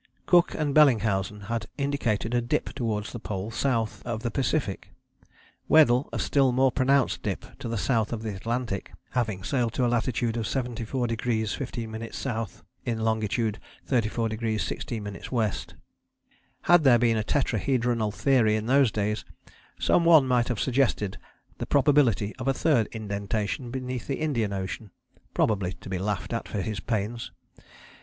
Cook and Bellingshausen had indicated a dip towards the Pole south of the Pacific; Weddell a still more pronounced dip to the south of the Atlantic, having sailed to a latitude of 74° 15´ S. in longitude 34° 16´ W. Had there been a Tetrahedronal Theory in those days, some one might have suggested the probability of a third indentation beneath the Indian Ocean, probably to be laughed at for his pains.